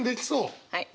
はい。